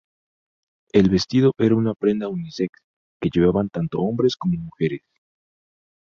El vestido era una prenda unisex que llevaban tanto hombres como mujeres.